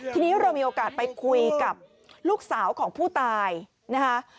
ทีนี้เรามีโอกาสไปคุยกับลูกสาวของผู้ตายนะคะ